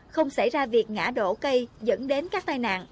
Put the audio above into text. không xảy ra việc ngã đổ cây dẫn đến các tai nạn